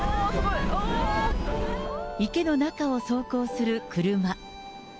池の中を走行する車。